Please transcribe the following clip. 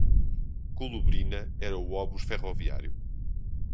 Colubrina era o obus ferroviário